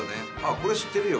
これ知ってるよ。